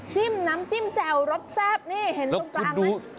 น้ำจิ้มแจ่วรสแซ่บนี่เห็นตรงกลางไหม